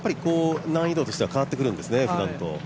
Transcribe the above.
難易度としては、変わってくるんですね。